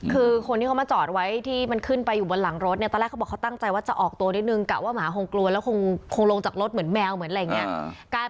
คือคนที่เขามาจอดไว้ที่มันขึ้นไปอยู่บนหลังรถเนี่ยตอนแรกเขาบอกเขาตั้งใจว่าจะออกตัวนิดนึงกะว่าหมาคงกลัวแล้วคงลงจากรถเหมือนแมวเหมือนอะไรอย่างนี้